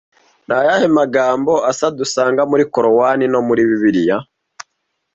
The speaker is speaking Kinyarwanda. Ni ayahe magambo asa dusanga muri Korowani no muri Bibiliya